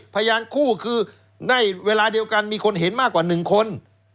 พยานคู่คือในเวลาเดียวกันมีคนเห็นมากกว่า๑คน